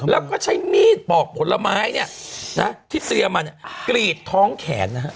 แล้วก็ใช้มีดปอกผลไม้เนี่ยนะที่เซียมาเนี่ยกรีดท้องแขนนะฮะ